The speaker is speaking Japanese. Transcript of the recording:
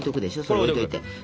それ置いといて。